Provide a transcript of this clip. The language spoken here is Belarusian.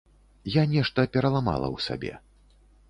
Я нешта пераламала ў сабе.